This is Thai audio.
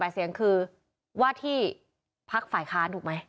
เสียงคือว่าที่พักฝ่ายค้านถูกไหม